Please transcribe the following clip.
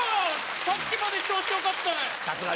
さっきまで調子よかったのに。